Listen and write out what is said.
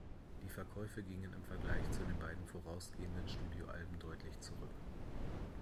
Die Verkäufe gingen im Vergleich zu den beiden vorausgehenden Studio-Alben deutlich zurück.